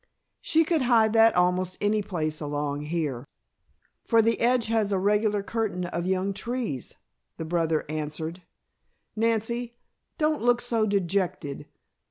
"She could hide that almost any place along here, for the edge has a regular curtain of young trees," the brother answered. "Nancy, don't look so dejected.